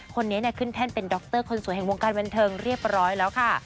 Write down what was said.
คนนี้ขึ้นแท่นเป็นดรคนสวยแห่งวงการบันเทิงเรียบร้อยแล้วค่ะ